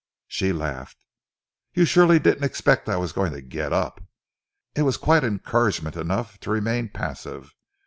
She laughed. "You surely didn't expect I was going to get up? It was quite encouragement enough to remain passive.